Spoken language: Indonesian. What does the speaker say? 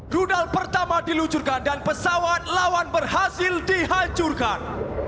rudal pertama diluncurkan dan pesawat lawan berhasil dihancurkan